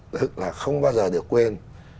tức là không bao giờ được quên